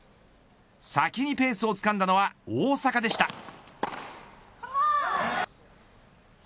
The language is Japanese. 先にペースをつかんだのは大坂でした。